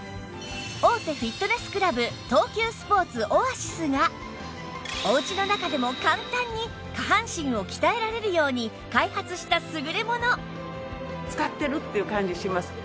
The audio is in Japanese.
大手フィットネスクラブ東急スポーツオアシスがお家の中でも簡単に下半身を鍛えられるように開発した優れもの！